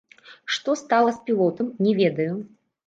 Што стала з пілотам, не ведаю.